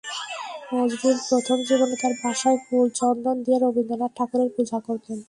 নজরুল প্রথম জীবনে তাঁর বাসায় ফুলচন্দন দিয়ে রবীন্দ্রনাথ ঠাকুরের পূজা করতেন।